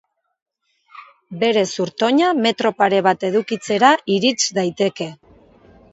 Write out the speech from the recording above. Bere zurtoina metro pare bat edukitzera irits daiteke.